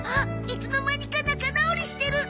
いつの間にか仲直りしてる。